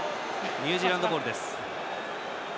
ニュージーランドボールです。